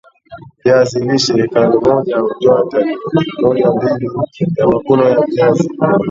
viazi lishe hekari moja hutoa tani mojambili ya mavuno ya viazi